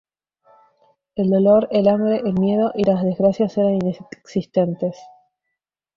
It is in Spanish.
El dolor, el hambre, el miedo y las desgracias eran inexistentes.